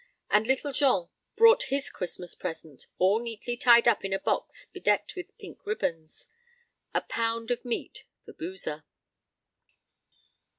And Little Jean brought his Xmas present all neatly tied up in a box bedecked with pink ribbons a pound of meat for Boozer.